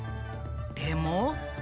でも。